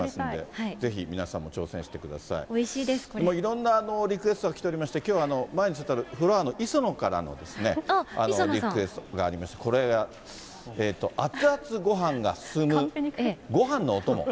いろんなリクエストが来ておりまして、きょうはフロアのいそのからのリクエストがありまして、これ、熱々ごはんが進むごはんのお供。